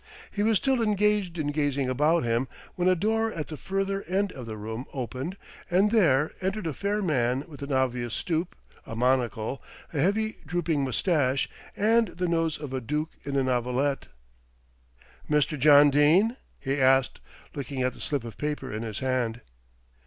He was still engaged in gazing about him when a door at the further end of the room opened and there entered a fair man, with an obvious stoop, a monocle, a heavy drooping moustache, and the nose of a duke in a novelette. "Mr. John Dene?" he asked, looking at the slip of paper in his hand.